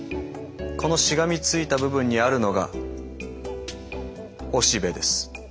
このしがみついた部分にあるのがおしべです。